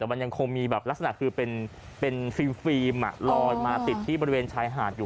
มันยังคงมีลักษณะคือเป็นฟีรมหลอยติดที่บริเวณชายหาดอยู่